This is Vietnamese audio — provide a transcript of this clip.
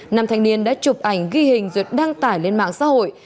nam thanh niên đã chụp ảnh ghi hình duyệt đăng tải lên mạng xã hội